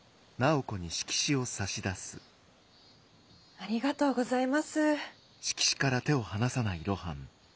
ありがとうございます。